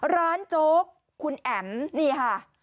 โจ๊กคุณแอ๋มนี่ค่ะ